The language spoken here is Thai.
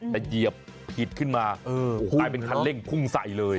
แต่เหยียบผิดขึ้นมากลายเป็นคันเร่งพุ่งใส่เลย